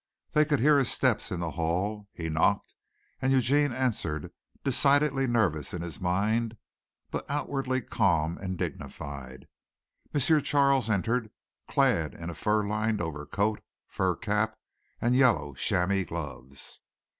They could hear his steps in the hall. He knocked and Eugene answered, decidedly nervous in his mind, but outwardly calm and dignified. M. Charles entered, clad in a fur lined overcoat, fur cap and yellow chamois gloves.